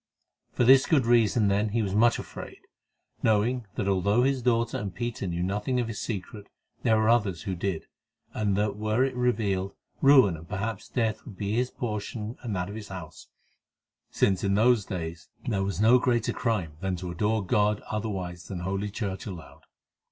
For this good reason, then, he was so much afraid, knowing that, although his daughter and Peter knew nothing of his secret, there were others who did, and that were it revealed ruin and perhaps death would be his portion and that of his house, since in those days there was no greater crime than to adore God otherwise than Holy Church allowed.